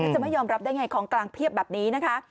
จะไม่ยอมรับได้ไงของกลางเพียบแบบนี้นะคะ